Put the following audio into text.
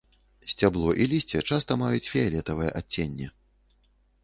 Сцябло і лісце часта маюць фіялетавае адценне.